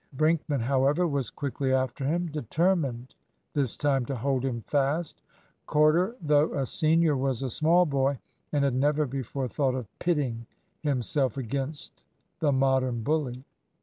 Brinkman, however, was quickly after him, determined this time to hold him fast. Corder, though a senior, was a small boy, and had never before thought of pitting, himself against the Modern bully.